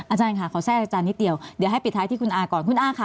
อาจารย์ค่ะขอแทรกอาจารย์นิดเดียวเดี๋ยวให้ปิดท้ายที่คุณอาก่อนคุณอาค่ะ